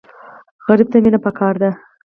سوالګر ته مینه پکار ده